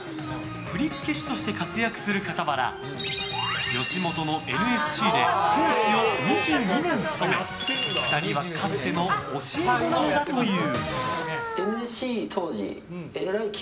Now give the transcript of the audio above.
振付師として活躍する傍ら吉本のＮＳＣで講師を２２年務め２人はかつての教え子なのだという。